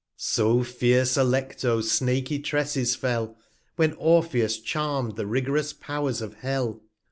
So fierce Aleftds snaky Tresses fell, When Orpheus charm'd the rig'rous Pow'rs of Hell.